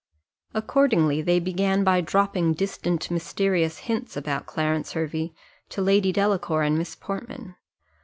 Accordingly they began by dropping distant mysterious hints about Clarence Hervey to Lady Delacour and Miss Portman.